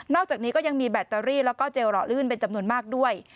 อกจากนี้ก็ยังมีแบตเตอรี่แล้วก็เจลหล่อลื่นเป็นจำนวนมากด้วย